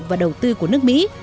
và đầu tư của nước mỹ